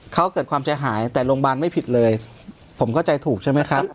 เขาเกิดความใจหายแต่โรงพยาบาลไม่ผิดเลยผมเข้าใจถูกใช่ไหมครับ